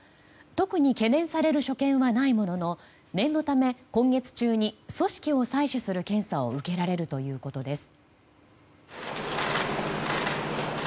特に懸念される所見はないものの念のため、今月中に組織を採取する検査を受けられるということです。